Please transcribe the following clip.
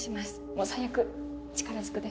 もう最悪力ずくで。